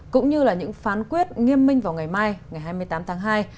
cũng như là những phán quyết nghiêm minh vào ngày mai ngày hai mươi tám tháng hai